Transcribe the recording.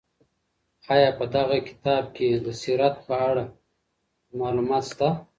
آیا په دغه کتاب کې د سیرت په اړه معلومات شته؟